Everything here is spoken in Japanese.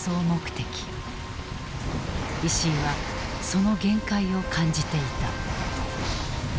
石井はその限界を感じていた。